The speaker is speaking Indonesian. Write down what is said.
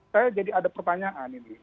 saya jadi ada pertanyaan ini